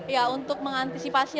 ya untuk mengantisipasi